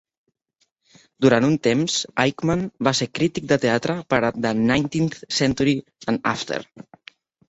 Durant un temps, Aickman va ser crític de teatre per a "The Nineteenth Century and After".